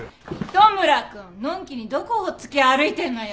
糸村くんのんきにどこほっつき歩いてんのよ！